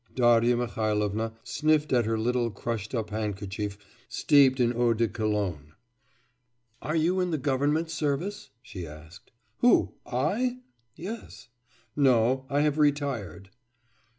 Darya Mihailovna sniffed at her little crushed up handkerchief steeped in eau de cologne. 'Are you in the government service?' she asked. 'Who? I?' 'Yes.' 'No. I have retired.